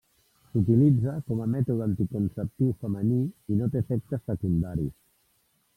S'utilitza com a mètode anticonceptiu femení i no té efectes secundaris.